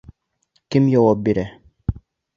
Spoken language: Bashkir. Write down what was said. Кем яуап бирә?